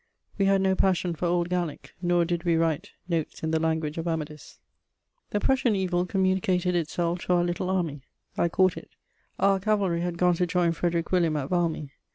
We had no passion for "old Gallic," nor did we write "notes in the language of Amadis." The Prussian evil communicated itself to our little army: I caught it. Our cavalry had gone to join Frederic William at Valmy.